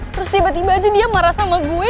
terus tiba tiba aja dia marah sama gue